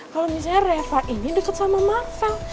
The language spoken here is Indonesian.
kalau misalnya reva ini deket sama marvell